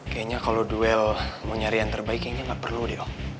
kayaknya kalau duel mau nyari yang terbaik kayaknya nggak perlu deh